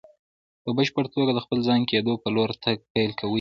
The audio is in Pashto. په بشپړ توګه د خپل ځان کېدو په لور تګ پيل کوي.